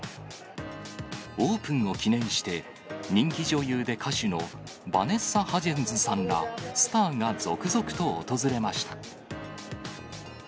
オープンを記念して、人気女優で歌手のバネッサ・ハジェンズさんらスターが続々と訪れました。